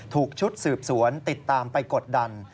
ถูกชุดสืบสวนติดตามไปกดดัน